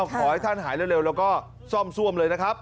ขอให้ท่านหายเร็วแล้วก็ซ่อมซ่วมเลยนะครับ